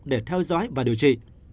để theo dõi và điều trị